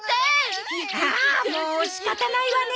あもう仕方ないわね。